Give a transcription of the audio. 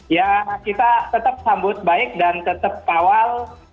ya kita tetap sambut baik dan tetap kawal